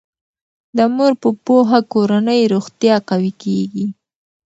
د مور په پوهه کورنی روغتیا قوي کیږي.